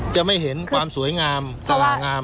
จะไม่เห็นความสวยงามสว่างาม